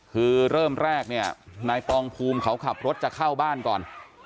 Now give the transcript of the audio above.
คือเริ่มแรกเนี่ยนายปองภูมิเขาขับรถจะเข้าบ้านก่อน